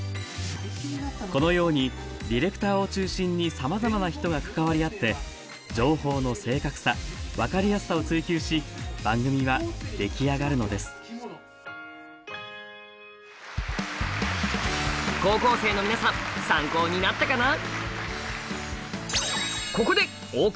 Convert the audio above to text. このようにディレクターを中心にさまざまな人が関わり合って情報の正確さ・分かりやすさを追求し番組は出来上がるのです高校生の皆さん参考になったかな？